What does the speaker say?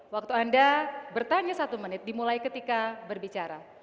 waktu anda bertanya satu menit dimulai ketika berbicara